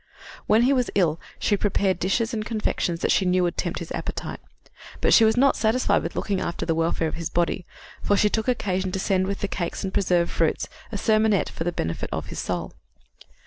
When he was ill she prepared dishes and confections that she knew would tempt his appetite. But she was not satisfied with looking after the welfare of his body, for she took occasion to send with the cakes and preserved fruits a sermonette for the benefit of his soul.